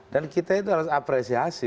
dan kita harus apresiasi